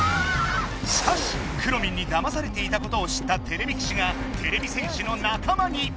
しかしくろミンにだまされていたことを知ったてれび騎士がてれび戦士の仲間に。